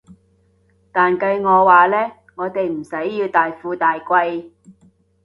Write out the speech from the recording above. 但計我話呢，我哋唔使要大富大貴